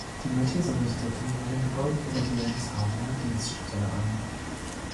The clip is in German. Die Malteser richteten in den Gebäuden ihre Wilhelmshavener Dienststelle ein.